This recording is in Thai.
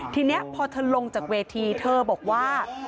ทีนี้พอเธอลงจากเวทีเธอบอกว่า